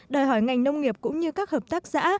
đòi hỏi ngành nông nghiệp cũng như các hợp tác xã